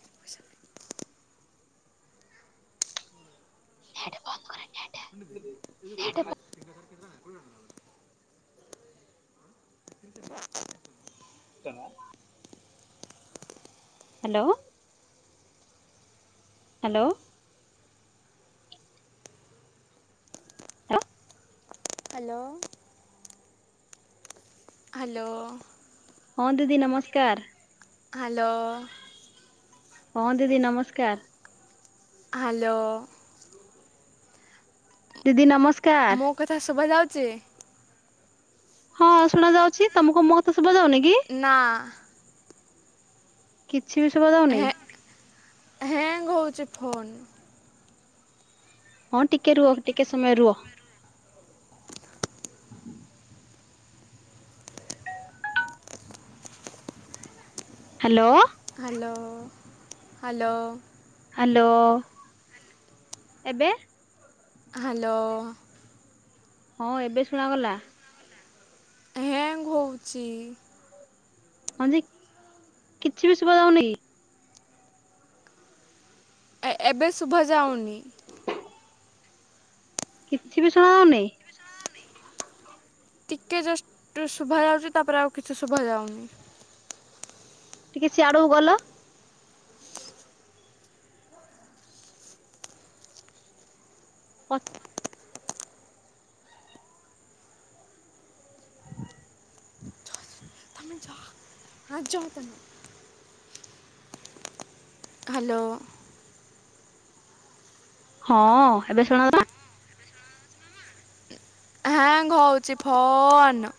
[unintelligible] ସେଟା ବନ୍ଦ କରେ। [unintelligible] [inaudible] ତା ହ୍ୟାଲୋ। ହ୍ୟାଲୋ। [unintelligible] ହ୍ୟାଲୋ। ହ୍ୟାଲୋ। ହଁ ଦିଦି ନମସ୍କାର। ହ୍ୟାଲୋ। ହଁ ଦିଦି ନମସ୍କାର। ହ୍ୟାଲୋ। ଦିଦି ନମସ୍କାର। ମୋ କଥା ଶୁଭା ଯାଉଛି ହଁ ଶୁଣା ଯାଉଛି ତମକୁ ମୋ କଥା ଶୁଭା ଯାଉନି କି ନାଁ କିଛି ବି ଶୁଭା ଯାଉନି ହ୍ୟାଙ୍ଗ୍ ହଉଛି ଫୋନ୍ ହଁ ଟିକେ ରୁହ ଟିକେ ସମୟ ରୁହ ହ୍ୟାଲୋ ହ୍ୟାଲୋ ହ୍ୟାଲୋ ହ୍ୟାଲୋ ଏବେ ହ୍ୟାଲୋ ହଁ ଏବେ ଶୁଣା ଗଲା ଶୁଭୁଛି ହଁଜେ କିଛି ବି ସୁଭା ଯାଉନି କି ଏ ଏ ଏବେ ଶୁଭା ଯାଉନି କିଛି ବି ଶୁଣାଯାଉନି ଟିକେ ଜଷ୍ଟ୍ ଶୁଭା ଯାଉଛି ତାପରେ ଆଉ କିଛି ଶୁଭା ଯାଉନି ଟିକେ ସିଆଡକୁ ଗଲ [inaudible] ଯାଅ ସେଠିକି ତମେ ଯାଅ ହାଁ ଯାଅ ତମେ ହ୍ୟାଲୋ ହଁ ଏବେ ଶୁଣୁନ ହ୍ୟାଙ୍ଗ ହଉଛି ଫୋନ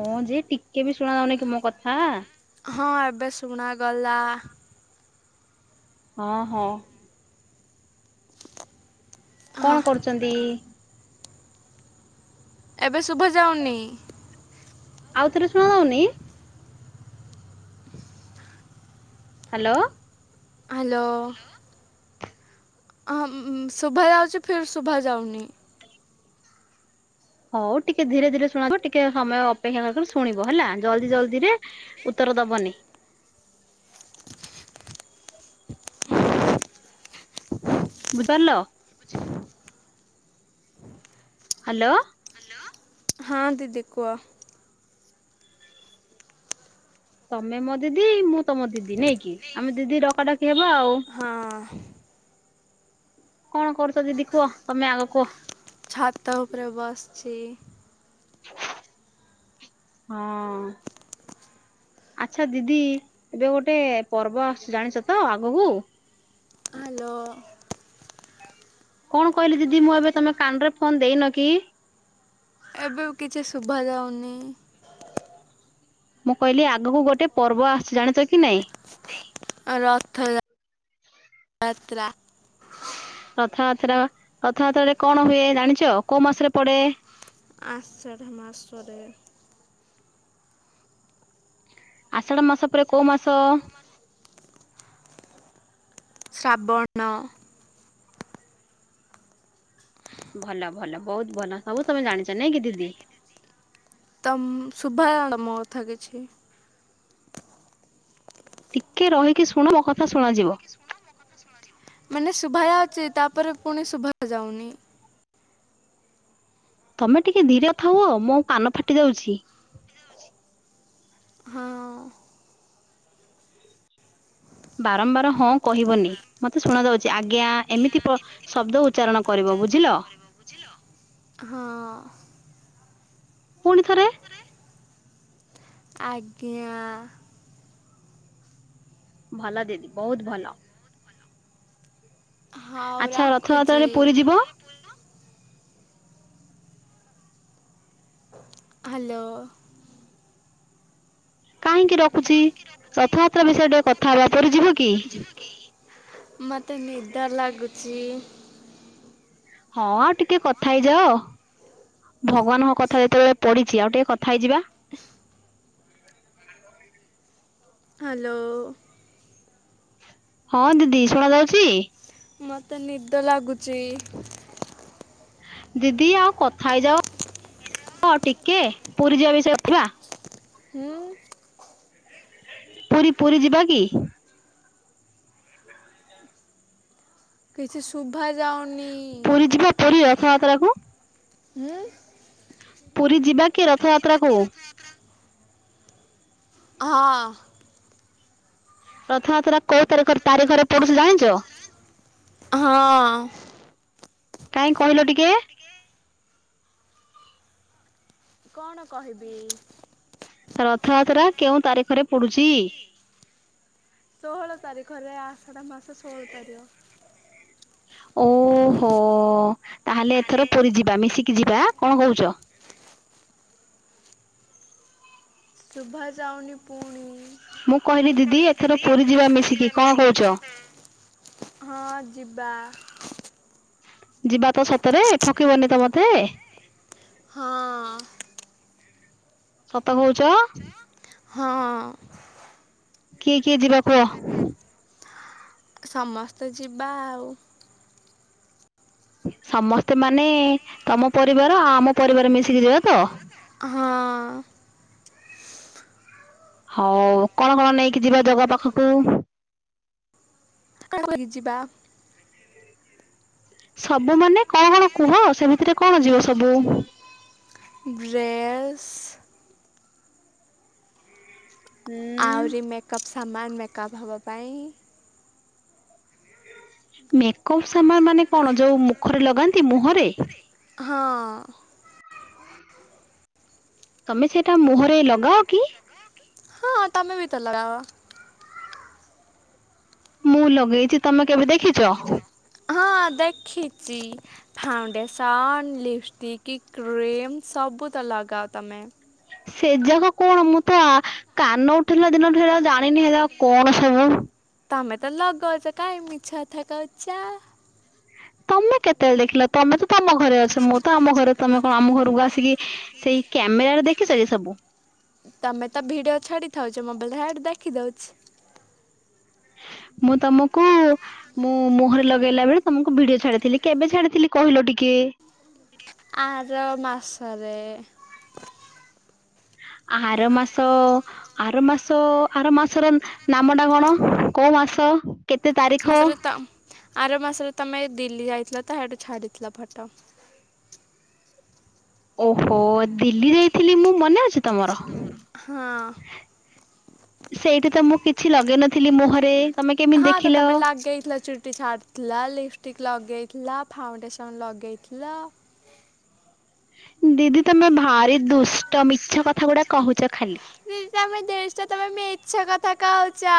ହଁ ଯେ ଟିକେ ବି ଶୁଣା ଯାଉନି କି ମୋ କଥା ହଁ ଏବେ ଶୁଣା ଗଲା ହଁ ହଁ ହଁ କଣ କରୁଛନ୍ତି ଏବେ ଶୁଭା ଯାଉନି ଆଉଥରେ ଶୁଣା ଯାଉନି ହ୍ୟାଲୋ ହ୍ୟାଲୋ ହ ଶୁଭା ଯାଉଛି ଫିର୍ ଶୁଭା ଯାଉନି ହଉ ଟିକେ ଧୀରେ ଧୀରେ ଶୁଣାଯିବ ଟିକେ ସମୟ ଅପେକ୍ଷା କରି ଶୁଣିବ ହେଲା ଜଲଦି ଜଲଦିରେ ଉତ୍ତର ଦବନି ବୁଝିପାରିଲ ହ୍ୟାଲୋ ହଁ ଦିଦି କୁହ। ତମେ ମୋ ଦିଦି ମୁଁ ତମ ଦିଦି ନାଇକି ଆମେ ଦିଦି ଡକାଡକି ହେବା ଆଉ ହଁ। କଣ କରୁଛ ଦିଦି କୁହ ତମେ ଆଗକୁୁହ। ଛାତ ଉପରେ ବସଛି। ହଁ। ଆଚ୍ଛା ଦିଦି ଏବେ ଗୋଟେ ପର୍ବ ଆସୁଛି ଜାଣିଛ ତ ଆଗକୁ ହାଲୋ। କଣ କହିଲି ଦିଦି ମୁଁ ଏବେ ତମେ କାନ ରେ ଫୋନ ଦେଇନ କି? ଏବେ ବି କିଛି ଶୁଭାଯାଉନି। ମୁଁ କହିଲି ଆଗକୁ ଗୋଟେ ପର୍ବ ଆସଛି ଜାଣିଛ କି ନାଇଁ? ରଥ ଯା [unintelligible] ତ୍ରା [unintelligible] ରଥଯାତ୍ରା ରଥଯାତ୍ରା ରେ କଣ ହୁଏ ଜାଣିଛ କୋଉ ମାସରେ ପଡେ? ଆଷାଢ଼ ମାସରେ। ଆଷାଢ ମାସ ପରେ କୋଉ ମାସ? ଶ୍ରାବଣ। ଭଲ ଭଲ ବହୁତ୍ ଭଲ ସବୁ ତମେ ଜାଣିଛ ନାଇଁ କି ଦିଦି। ତମ ଶୁଭାଯାଉନି ତମ କଥା କିଛି? ଟିକେ ରହିକି ଶୁଣ ମୋ କଥା ଶୁଣାଯିବ। ମାନେ ଶୁଭାଯାଉଚି ତାପରେ ପୁଣି ଶୁଭା ଯାଉନି। ତମେ ଟିକେ ଧୀରେ କଥାହୁଅ ମୋ କାନ ଫାଟି ଯାଉଛି। ହଁ ବାରମ୍ବାର ହଁ କହିବନି ମତେ ଶୁଣା ଯାଉଛି ଆଜ୍ଞା ଏମିତି ପ ଶବ୍ଦ ଉଚ୍ଚାରଣ କରିବ ବୁଝିଲ। ହଁ। ପୁଣି ଥରେ। ଆଜ୍ଞା। ଭଲ ଦିଦି ବହୁତ୍ ଭଲ। ହଉ ଆଚ୍ଛା ରଥଯାତ୍ରା ରଖୁଛି ରେ ପୁରୀ ଯିବ? ହାଲୋ। କାହିଁକି ରଖୁଛି ରଥଯାତ୍ରା ବିଷୟରେ ଟିକେ କଥା ହେବା ପୁରୀ ଯିବ କି? ମତେ ନିଦ ଲାଗୁଛି। ହଁ ଆଉ ଟିକେ କଥା ହେଇଯାଅ। ଭଗବାନଙ୍କ କଥା ଯେତେବେଳେ ପଢିଛି ଆଉ ଟିକେ କଥା ହେଇଯିବା। ହାଲୋ। ହଁ, ଦିଦି ଶୁଣା ଯାଉଛି? ମତେ ନିଦ ଲାଗୁଚି। ଦିଦି ଆଉ କଥା ହେଇଯାଅ ଆଉ ଟିକେ ପୁରୀ ଯିବା ବିଷୟରେ କରିଥିବା। ହୁଁ। ପୁରୀ ପୁରୀ ଯିବା କି? କିଛି ଶୁଭା ଯାଉନି। ପୁରୀ ଯିବା ପୁରୀ ରଥଯାତ୍ରାକୁ ହୁଁ ପୁରୀ ଯିବା କି ରଥଯାତ୍ରା କୁ? ହଁ। ରଥଯାତ୍ରା କୋଉ ତାରିଖ ତାରିଖରେ ପଡୁଛି ଜାଣିଚ? ହଁ କାହିଁ କହିଲ ଟିକେ। କଣ କହିବି। ରଥଯାତ୍ରା କେଉଁ ତାରିଖରେ ପଡୁଛି? ଷୋହଳ ତାରିଖରେ ଆଷାଢ଼ ମାସ ଷୋହଳ ତାରିଖ। ଓହୋ ତାହେଲେ ଏଥର ପୁରୀ ଯିବା ମିଶିକି ଯିବା କଣ କହୁଚ? ଶୁଭା ଯାଉନୀ ପୁଣି। ମୁଁ କହିଲି ଦିଦି ଏଥର ପୁରୀ ଯିବା ମିଶିକି କଣ କହୁଚ? ହଁ ଯିବା। ଯିବା ତ ସତରେ ଠକିବନି ତ ମତେ। ହଁ। ସତ କହୁଛ? ହଁ। କିଏ କିଏ ଯିବା କୁହ? ସମସ୍ତେ ଯିବା ଆଉ। ସମସ୍ତେ ମାନେ ତମ ପରିବାର ଆ ଆମ ପରିବାର ମିଶିକି ଯିବା ତ? ହଁ। ହଉ କଣ କଣ ନେଇକି ଯିବା ଜଗା ପାଖକୁ? [unintelligible] ଯିବା। ସବୁ ମମାନେ କଣ କୁହ ସେମିତିରେ କଣ ଯିବ ସବୁ। ଡ୍ରେସ୍। ହୁଁ ଆହୁରି ମେକପ୍ ସାମାନ ମେକଅପ୍ ହେବା ପାଇଁ। ମେକଅପ୍ ସାମାନ ମାନେ କଣ ଯେଉଁ ମୁଖରେ ଲଗାନ୍ତି ମୁହଁରେ? ହଁ। ତମେ ସେଇଟା ମୁହଁରେ ଲଗାଅ କି? ହଁ ତମେ ବି ତ ଲଗାଅ। ମୁଁ ଲଗେଇଛି ତମେ କେବେ ଦେଖିଛ? ଆ ଦେଖିଛି। ଫାଉଣ୍ଡେସନ୍ ଲିପଷ୍ଟିକ୍ କ୍ରିମ୍ ସବୁ ତ ଲଗାଅ ତମେ। ସେ ଯାକ କଣ ମୁଁ ତ ଆ କାନ ଉଠିଲା ଦିନଠୁ ହେରା ଜାଣିନି ହେରା କଣ ସବୁ। ତମେ ତ ଲଗଉଛ କାହିଁ ମିଛକଥା କହୁଛ। ତମେ କେତେବେଳେ ଦେଖିଲ ତମେ ତ ତମ ଘରେ ଅଛ ମୁଁ ତ ଆମ ଘରେ ତମେ କଣ ଆମ ଘରକୁ ଆସିକି ସେଇ କ୍ୟାମେରାରେ ଦେଖିଚ କି ସବୁ? ତମେ ତ ଭିଡିଓ ଛାଡି ଥାଉଛ ମୋବାଇଲରେ ହାଡ଼ୁ ଦେଖିଦୋଉଛି। ମୁଁ ତମକୁ ମୁଁ ମୁହରେ ଲଗେଇଲା ବେଳେ ତମକୁ ଭିଡିଓ ଛାଡିଥିଲି କେବେ ଛାଡିଥିଲି କହିଲ ଟିକେ? ଆର ମାସରେ। ଆର ମାସ ଆର ମାସ ଆର ମାସର ନାମ ଟା କଣ କୋଉ ମାସ? କେତେ ତାରିଖ? ମାସରେ ତ ଆର ମାସରେ ତମେ ଦିଲ୍ଲୀ ଯାଇଥିଲ ତ ହାଡ଼ୁ ଛାଡିଥିଲ ଫଟ। ଓହୋ ଦିଲ୍ଲୀ ଯାଇଥିଲି ମୁଁ ମନେ ଅଛି ତମର? ହଁ। ସେଇଠି ତ ମୁଁ କିଛି ଲଗେଇ ନଥିଲି ମୁହଁରେ। ତମେ କେମିତି ହଁ ତ ଦେଖିଲ? ତମେ ଲଗେଇ ଥିଲ ଚୁଟିଛାଡ଼ ଥିଲ, ଲିପଷ୍ଟିକ ଲଗେଇଥିଲା, ଫାଉଣ୍ଡେସନ ଲଗେଇଥିଲ। ଦିଦି ତମେ ଭାରି ଦୁଷ୍ଟ ମିଛ କଥାଗୁଡା କହୁଛ ଖାଲି। ଦିଦି ତମେ ଦେଶ ଟା ତମେ ମୀଛ କଥା କହୁଛ।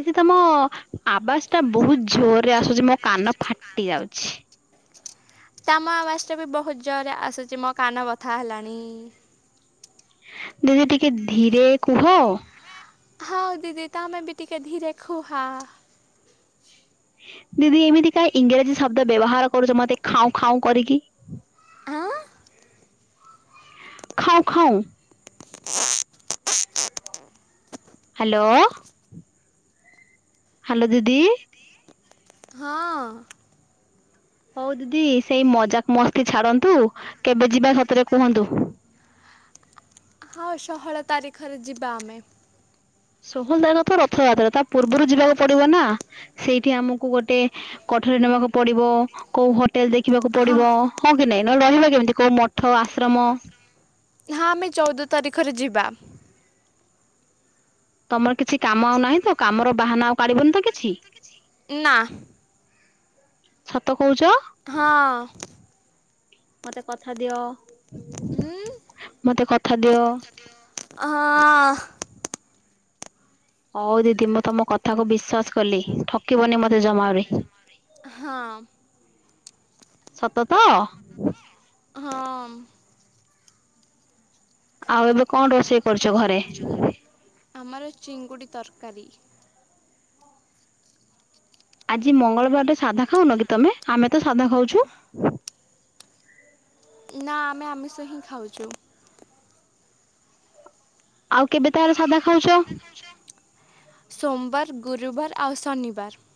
ଦେଖି ତମ ଆବାସଟା ବହୁତ ଜୋରରେ ଆସୁଛି ମୋ କାନ ଫାଟି ଯାଉଛି। ତାମ ଆବାଜଟା ବି ବହୁତ ଜୋରରେ ଆସୁଛି ମୋ କାନ ବଥା ହେଲାଣି। ଦିଦି ଟିକେ ଧୀରେ କୁହ। ହଁ ଦିଦି ତମେ ବି ଟିକେ ଧୀରେ ଖୁ ହ। ଦିଦି ଏମିତି କାଁ ଇଂରାଜୀ ଶବ୍ଦ ବ୍ୟବହାର କରୁଛ ମତେ ଖାଉଁ ଖାଉଁ କରିକି। ଉଁ। ଖାଏ ଖାଏ। ହ୍ୟାଲୋ। ହ୍ୟାଲୋ ଦିଦି। ହଁ ଅଁ। ହଉ ଦିଦି ସେଇ ମଜାକ ମସ୍ତି ଛାଡନ୍ତୁ କେବେ ଯିବା ସତରେ କୁହନ୍ତୁ? ହଉ ଷୋହଳ ତାରିଖରେ ଯିବା ଆମେ। ଷୋହଳ ତାରିଖ ତ ରଥଯାତ୍ରା ତା ପୂର୍ବରୁ ଯିବାକୁ ପଡିବ ନା। ସେଇଠି ଆମକୁ ଗୋଟେ କୋଠରୀ ନବାକୁ ପଡିବ କୋଉ ହୋଟେଲ ଦେଖି ରଖିବାକୁ ହଁ ପଡିବ ହଁ କି ନାଇଁ ନ ରହିବା କେମିତି କୋଉ ମଠ ଆଶ୍ରମ। ହଁ ଆମେ ଚଉଦ ତାରିଖରେ ଯିବା। ତମର କିଛି କାମ ଆଉ ନାହିଁ ତ କାମର ବାହାନା ଆଉ କାଢିବନି ତ କିଛି? ନା। ସତ କହୁଛ? ହଁଅଁ। ମତେ କଥା ଦିଅ। ଉଁ। ମତେ କଥା ଦିଅ। ହଁ। ହଉ ଦିଦି ମୁଁ ତମ କଥାକୁ ବିଶ୍ଵାସ କଲି ଠକିବନି ମତେ ଜମାବି। ହଁ। ସତତ? ହଁମ୍। ଆଉ ଏବେ କଣ ରୋଷେଇ କରୁଛ ଘରେ? ଆମର ଚିଙ୍ଗୁଡ଼ି ତରକାରୀ। ଆଜି ମଙ୍ଗଳବାରଟା ସାଧା ଖାଉନ କି ତମେ? ଆମେ ତ ସାଧା ଖାଉଛୁ। ନା ଆମେ ଆମିଷ ହିଁ ଖାଉଛୁ। ଆଉ କେବେ ତାଲେ ସାଧା ଖାଉଛ? ସୋମବାର ଗୁରୁବାର ଆଉ ଶନିବାର।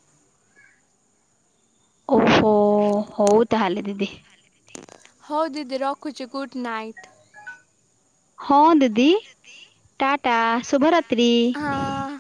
ଓହୋ ହଉ ତାହଲେ ଦିଦି। ହଉ ଦିଦି ରଖୁଛି ଗୁଡ୍ ନାଇଟ୍। ହଁ ଦିଦି ଟାଟା ଶୁଭରାତ୍ରି। ହଁ।